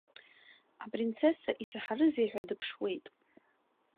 Апринцесса исаҳарызеи ҳәа дыԥшуеит.